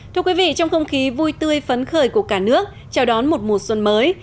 thưa quý vị trong không khí vui tươi phấn khởi của cả nước chào đón một mùa xuân mới